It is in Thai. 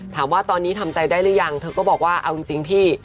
ถามว่าตอนนี้ทำใจได้หรือยังเธอก็บอกว่าเอาจริงพี่